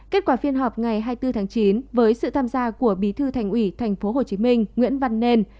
kết quả phiên họp ngày hai mươi bốn tháng chín với sự tham gia của bí thư thành ủy tp hcm nguyễn văn nên